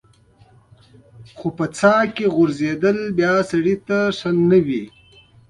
خو په څاه کې غورځېدل بیا سړی ته ښه نه وي.